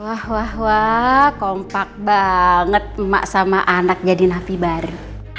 wah wah wah kompak banget emak sama anak jadi nafi baru